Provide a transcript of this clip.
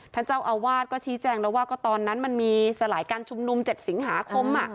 ท่านเจ้าอาวาสก็ชี้แจงแล้วว่าก็ตอนนั้นมันมีสลายการชุมนุม๗สิงหาคม